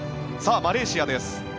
マレーシアです。